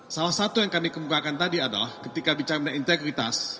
salah satu yang kami kemukakan tadi adalah ketika bicara mengenai integritas